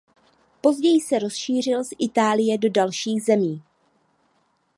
Později se rozšířili z Itálie do dalších zemí.